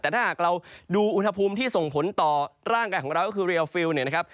แต่ถ้าหากเราดูอุณหภูมิที่ส่งผลต่อร่างกายของเราก็คือเรียลฟิลเนี่ยนะครับ